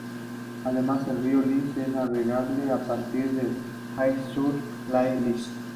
Además, el río Lys es navegable a partir de Aire-sur-la-Lys.